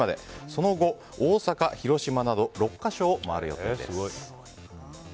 その後、大阪、広島など６か所を回る予定です。